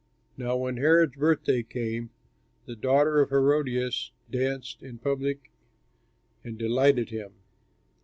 Now when Herod's birthday came, the daughter of Herodias danced in public and delighted him.